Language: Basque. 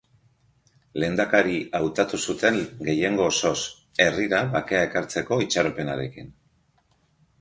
Lehendakari hautatu zuten gehiengo osoz, herrira bakea ekartzeko itxaropenarekin.